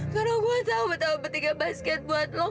karena gue tau betapa petika basket buat lo kan